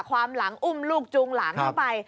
ความหลังอุ้มลูกจูงหลังเข้าไป